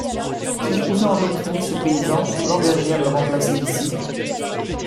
Si je pouvais endoctriner ce paysan, l’engager à me remplacer ici…